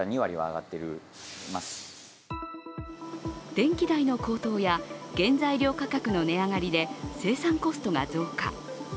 電気代の高騰や原材料価格の値上がりで生産コストが増加。